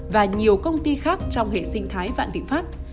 và nhiều công ty khác trong hệ sinh thái vạn thịnh pháp